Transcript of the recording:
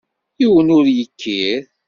Yiwen ur yekkir.